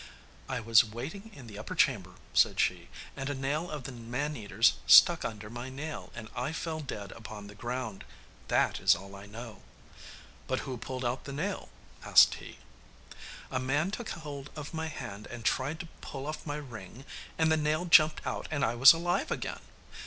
'I was waiting in the upper chamber,' said she, 'and a nail of the man eater's stuck under my nail, and I fell dead upon the ground. That is all I know.' 'But who pulled out the nail?' asked he. 'A man took hold of my hand and tried to pull off my ring, and the nail jumped out and I was alive again.